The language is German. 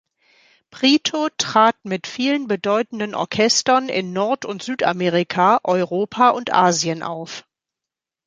Prieto trat mit vielen bedeutenden Orchestern in Nord- und Südamerika, Europa und Asien auf.